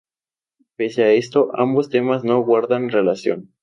Pese a esto, ambos temas no guardan relación.